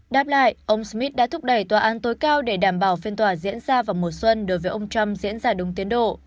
đáp lại ông smith đã thúc đẩy tòa án tối cao để đảm bảo phiên tòa diễn ra vào mùa xuân đối với ông trump diễn ra đúng tiến độ